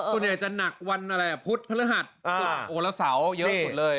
นายส่วนใหญ่จะหนักวันอะไรพรุทธโรหะศาวเยอะสุดเลย